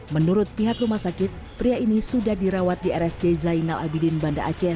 menurut pihak rumah sakit pria ini sudah dirawat di rsj zainal abidin banda aceh